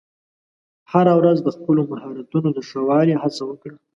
هره ورځ د خپلو مهارتونو د ښه والي هڅه وکړه.